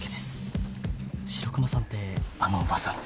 白熊さんってあの噂の？